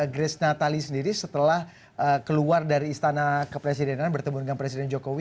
grace natali sendiri setelah keluar dari istana kepresidenan bertemu dengan presiden jokowi